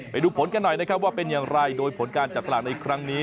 ไปดูผลกันหน่อยว่าเป็นอย่างไรโดยผลการจัดตราคมในครั้งนี้